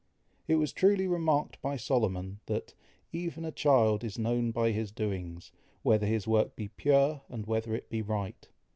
It was truly remarked by Solomon, that "even a child is known by his doings, whether his work be pure, and whether it be right."